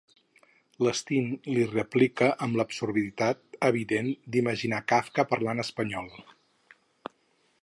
L'Sten li replica amb l'absurditat evident d'imaginar Kafka parlant espanyol.